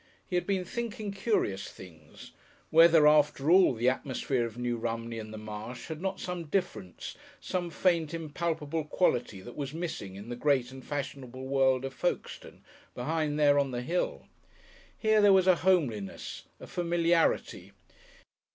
He had been thinking curious things; whether, after all, the atmosphere of New Romney and the Marsh had not some difference, some faint impalpable quality that was missing in the great and fashionable world of Folkestone behind there on the hill. Here there was a homeliness, a familiarity.